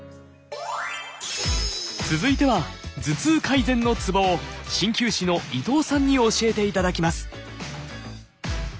続いては頭痛改善のツボを鍼灸師の伊藤さんに教えていただきます。